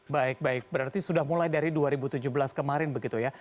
baik baik berarti sudah mulai dari dua ribu tujuh belas kemarin begitu ya